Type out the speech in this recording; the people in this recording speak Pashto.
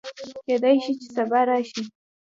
کېدی شي چې سبا راشي